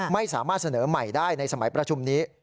ไม่สามารถเสนอใหม่ได้ในสมัยประชุมนี้